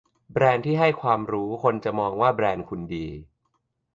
แบรนด์ที่ให้ความรู้คนจะมองว่าแบรนด์คุณดี